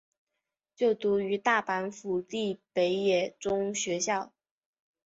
就读于大阪府立北野中学校。